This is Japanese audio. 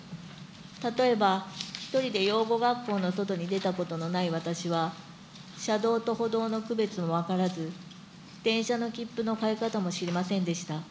例えば１人で養護学校の外に出たことのない私は、車道と歩道の区別も分からず、電車の切符の買い方も知りませんでした。